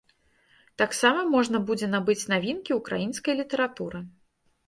Таксама можна будзе набыць навінкі ўкраінскай літаратуры.